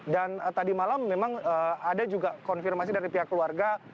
dan tadi malam memang ada juga konfirmasi dari pihak keluarga